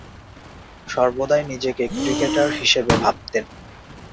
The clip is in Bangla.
সর্বদাই নিজেকে ক্রিকেটার হিসেবে ভাবতেন।